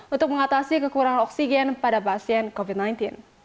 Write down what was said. untuk mengatasi kekurangan oksigen pada pasien covid sembilan belas